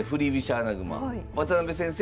穴熊渡辺先生